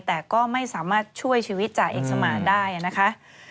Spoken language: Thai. แต่ก็ไม่สามารถช่วยชีวิตจ่าเอกสมานได้นะคะ